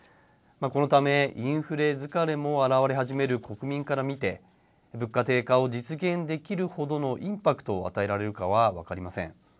このためインフレ疲れも表れ始める国民から見て物価低下を実現できるほどのインパクトを与えられるかは分かりません。